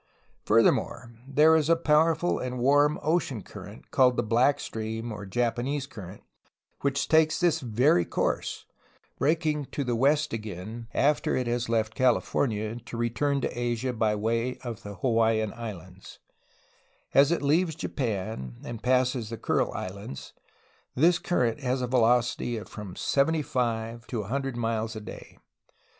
Fur thermore, there is a powerful and warm ocean current, called the Black Stream, or Japan Current, which takes this very course, breaking to the west again after it has left Cal s o o o H o w THE CHINESE ALONG THE COAST IN ANCIENT TIMES 23 ifornia to return to Asia by way of the Hawaiian Islands. As it leaves Japan and passes the Knrile Islands this cur rent has a velocity of from seventy five to a hundred miles a day.